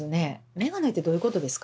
目がないってどういうことですか？